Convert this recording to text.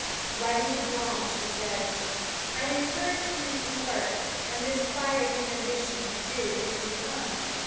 Writing to Brahms she says: "I encouraged him in his work, and this fired his ambition to do and to become.